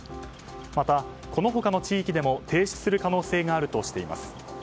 また、この他の地域でも停止する可能性があるとしています。